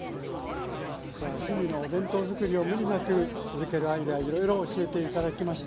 さあ日々のお弁当づくりを無理なく続けるアイデアをいろいろ教えて頂きました。